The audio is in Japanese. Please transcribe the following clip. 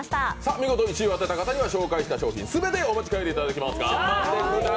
見事に１位を当てた方には紹介した商品全てをお持ち帰りいただきます。